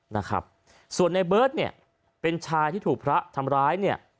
นะครับส่วนในเบิร์ตเนี่ยเป็นชายที่ถูกพระทำร้ายเนี่ย